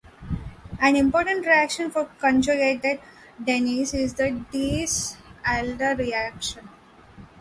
An important reaction for conjugated dienes is the Diels-Alder reaction.